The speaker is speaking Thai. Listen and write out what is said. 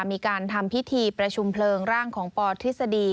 มีการทำพิธีประชุมเพลิงร่างของปทฤษฎี